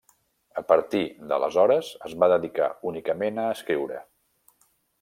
A partir d'aleshores es va dedicar únicament a escriure.